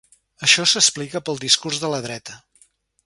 Això s’explica pel discurs de la dreta.